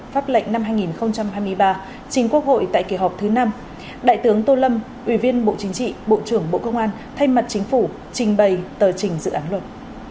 pháp lệnh năm hai nghìn hai mươi ba chính quốc hội tại kỳ họp thứ năm đại tướng tô lâm ủy viên bộ chính trị bộ trưởng bộ công an thay mặt chính phủ trình bày tờ trình dự án luật